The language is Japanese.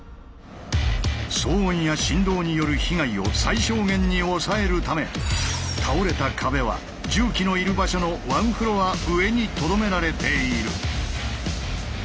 騒音や振動による被害を最小限に抑えるため倒れた壁は重機のいる場所のワンフロア上にとどめられている。